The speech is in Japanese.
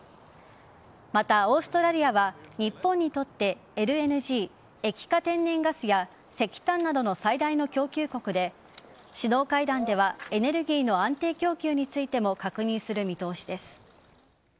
また、オーストラリアは日本にとってＬＮＧ＝液化天然ガスや石炭などの最大の供給国で首脳会談ではエネルギーの安定供給についても確認する見通しです。